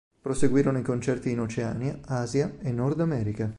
Proseguirono i concerti in Oceania, Asia e Nord America.